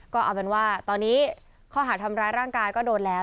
ก็เอาเป็นว่าตอนนี้ข้อหาทำร้ายร่างกายก็โดนแล้ว